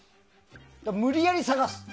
無理やり探す？